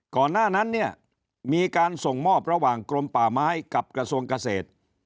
ก่อนหน้านั้นเนี่ยมีการส่งมอบระหว่างกรมป่าไม้กับกระทรวงเกษตร